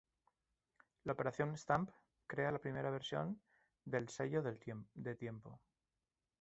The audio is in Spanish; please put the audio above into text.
La operación "stamp" crea la primera versión del sello de tiempo.